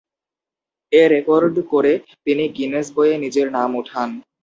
এ record করে তিনি Guinness বইয়ে নিজের নাম উঠান।